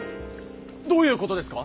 どういうことですか？